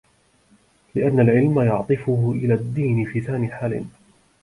لِأَنَّ الْعِلْمَ يُعَطِّفُهُ إلَى الدِّينِ فِي ثَانِي حَالٍ